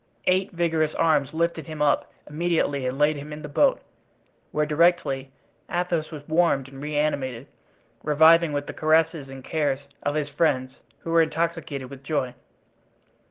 Eight vigorous arms lifted him up immediately and laid him in the boat, where directly Athos was warmed and reanimated, reviving with the caresses and cares of his friends, who were intoxicated with joy.